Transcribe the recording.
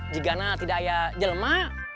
jika dia tidak ada dia lemak